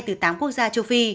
từ tám quốc gia châu phi